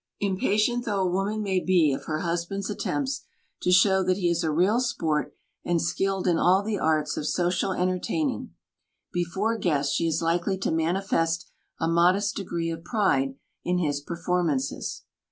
Impatient though a woman may be of her husband's attempts to show that he is a real sport and skilled in all the arts of social entertaining, before guests she is likely to mani fest a modest degree of pride in his performances.